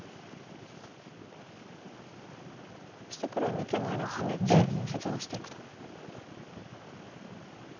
そして黒は二間の間をハネて切断していくと。